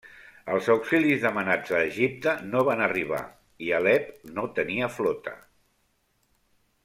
Els auxilis demanats a Egipte no van arribar i Alep no tenia flota.